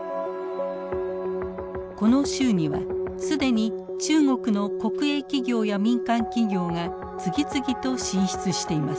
この州には既に中国の国営企業や民間企業が次々と進出しています。